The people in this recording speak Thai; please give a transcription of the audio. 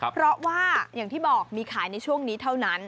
เพราะว่าอย่างที่บอกมีขายในช่วงนี้เท่านั้น